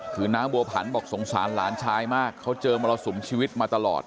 คือนางบัวผันบอกสงสารหลานชายมากเขาเจอมรสุมชีวิตมาตลอด